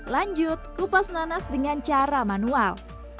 lanjut kupas nanas dengan cara manual